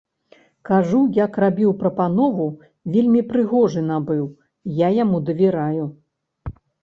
Кажу, як рабіў прапанову, вельмі прыгожы набыў, я яму давяраю.